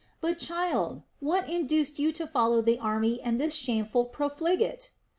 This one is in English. But child, what induced you to follow the army and this shameful profligate?"